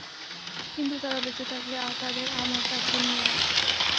কিন্তু তারা বেঁচে থাকলে, তাদের আমার কাছে নিয়ে আয়।